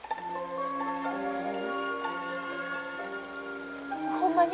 ほんまに？